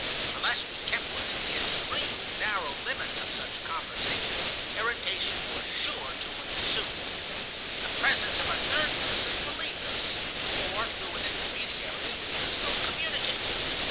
"Unless we kept within the extremely narrow limits of such conversation, irritation was sure to ensue. The presence of a third person relieved us, for through an intermediary we could still communicate.